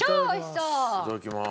いただきます。